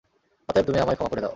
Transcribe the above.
অতএব, তুমি আমায় ক্ষমা করে দাও।